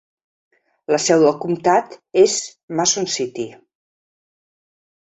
La seu del comtat és Mason City.